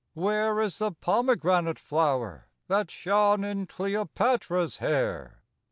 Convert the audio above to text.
Where is the pomegranate flower that shone in Cleopatra's hair?